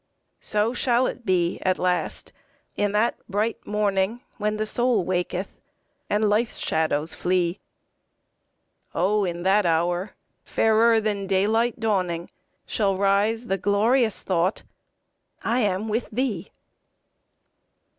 So shall it be at last in that bright morning, When the soul waketh, and life's shadows flee; O in that hour, fairer than daylight dawning, Shall rise the glorious thought I am with Thee.